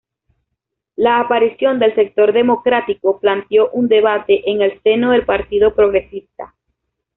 La aparición del sector democrático planteó un debate en el seno del partido progresista.